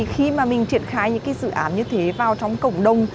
khi mình triển khai những dự án như thế vào trong cộng đồng